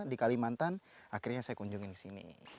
di kalimantan akhirnya saya kunjungi di sini